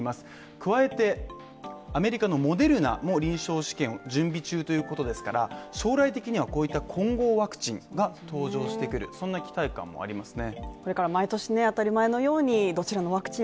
加えて、アメリカのモデルナの臨床試験を準備中ということですから、将来的にはこういった混合ワクチンが登場してくる、そんな期待感もありますね。